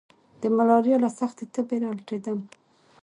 د ملاريا له سختې تبي را لټېدم.